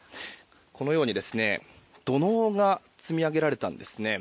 このように、土のうが積み上げられたんです。